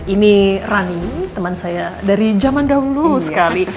ini rani teman saya dari zaman dahulu sekali